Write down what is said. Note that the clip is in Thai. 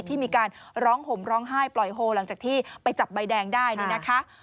ที่มีการร้องห่มร้องไห้ปล่อยโฮหลังจากที่ไปจับใบแดงได้นี่นะคะ